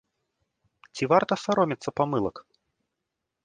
Ці варта саромецца памылак?